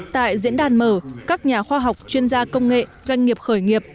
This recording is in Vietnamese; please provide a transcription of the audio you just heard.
tại diễn đàn mở các nhà khoa học chuyên gia công nghệ doanh nghiệp khởi nghiệp